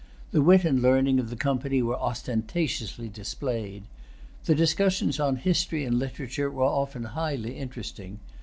The wit and learning of the company were ostentatiously displayed. The discussions on history and[Pg 281] literature were often highly interesting.